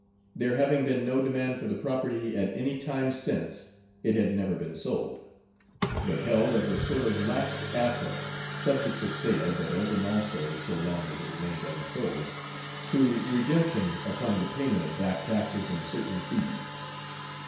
There having been no demand for the property at any time since, it had never been sold, but held as a sort of lapsed asset, subject to sale, but open also, so long as it remained unsold, to redemption upon the payment of back taxes and certain fees.